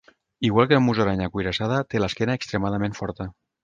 Igual que la musaranya cuirassada, té l'esquena extremament forta.